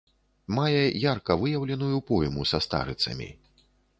Мае ярка выяўленую пойму са старыцамі.